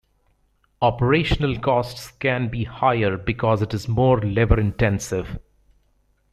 Operational costs can be higher because it is more labor-intensive.